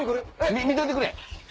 見といてくれ。